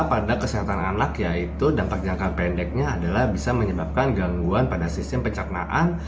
pada kesehatan anak yaitu dampak jangka pendeknya adalah bisa menyebabkan gangguan pada sistem pencernaan